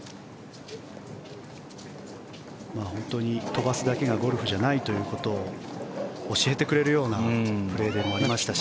本当に飛ばすだけがゴルフじゃないということを教えてくれるようなプレーでもありましたし。